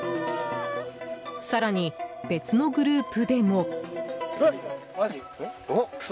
更に別のグループでも。